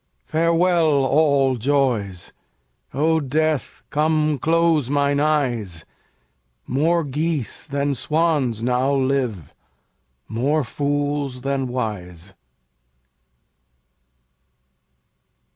Farewell, all joys; O Death, come close mine eyes; More geese than swans now live, more fools than wise.